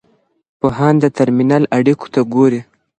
پوهان د ترمینل اړیکو ته ګوري.